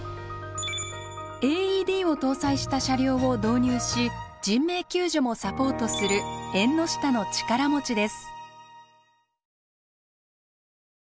ＡＥＤを搭載した車両を導入し人命救助もサポートする縁の下の力持ちです。